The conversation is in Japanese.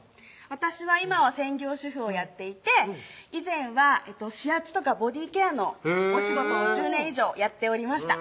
私は今は専業主婦をやっていて以前は指圧とかボディーケアのお仕事を１０年以上やっておりました